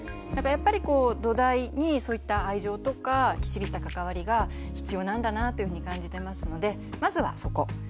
だからやっぱり土台にそういった愛情とかきっちりした関わりが必要なんだなぁっていうふうに感じてますのでまずはそこ。